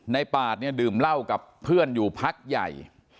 ในปาดดื่มเหล้ากับเพื่อนอยู่พักใหญ่